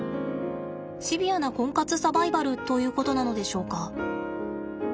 シビアな婚活サバイバルということなのでしょうか。